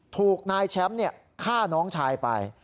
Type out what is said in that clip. ถูกนายแชมป์ฆ่าน้องชายไป